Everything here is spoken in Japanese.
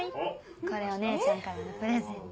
これお姉ちゃんからのプレゼント。